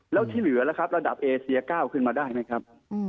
แล้วที่เหลือละครับระดับเอเชีย๙ขึ้นมาได้มั้ยครับ